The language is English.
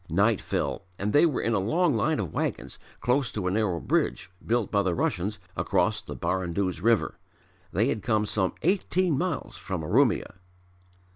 Night fell and they were in a long line of wagons close to a narrow bridge built by the Russians across the Baranduz river. They had come some eighteen miles from Urumia.